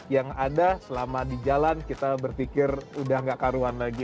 yang ada selama di jalan kita berpikir udah gak karuan lagi